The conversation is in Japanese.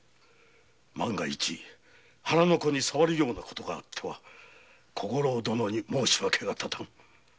万一腹の子に障るような事があっては小五郎殿に申し訳が立たぬ。